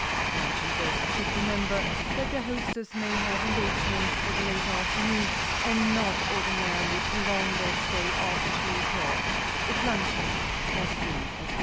Luncheon guests should remember that their hostess may have engagements for the late afternoon, and not ordinarily prolong their stay after three o'clock—if luncheon has been at one.